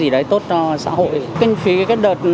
để giúp đỡ các người bị bệnh